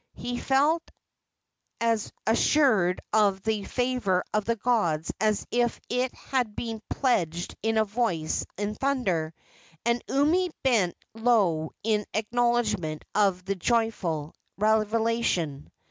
He felt as assured of the favor of the gods as if it had been pledged in a voice of thunder, and Umi bent low in acknowledgment of the joyful revelation.